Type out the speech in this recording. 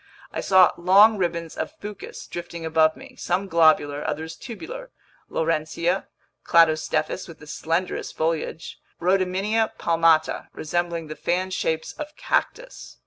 I saw long ribbons of fucus drifting above me, some globular, others tubular: Laurencia, Cladostephus with the slenderest foliage, Rhodymenia palmata resembling the fan shapes of cactus.